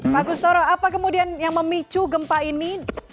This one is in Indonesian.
pak kustoro apa kemudian yang memicu gempa ini